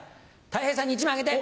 たい平さんに１枚あげて。